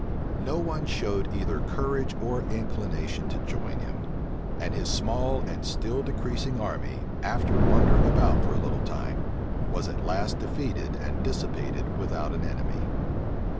No one showed either courage or inclination to join him; and his small and still decreasing army, after wandering about for a little time, was at last defeated and dissipated without an enemy.